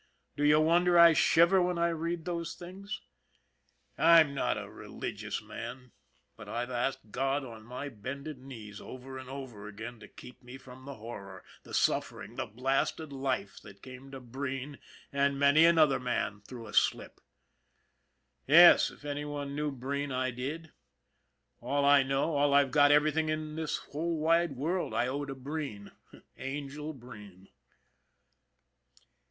Do you wonder I shiver when I read those things ? I'm not a religious man, but I've asked God on my bended knees, over and over again, to keep me from the horror, the suffer ing, the blasted life that came to Breen and many another man through a slip. Yes, if any one knew Breen, I did. All I know, all I've got, everything in this whole wide world, I owe to Breen " Angel " Breen.